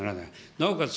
なおかつ